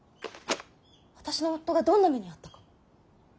私の夫がどんな目に遭ったか。